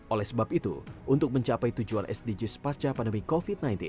oleh sebab itu untuk mencapai tujuan sdgs pasca pandemi covid sembilan belas